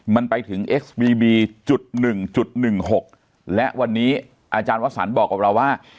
มันไปถึงเอ็กซ์บีบีจุด๑๑๖และวันนี้อาจารย์วสันบอกกับเราว่า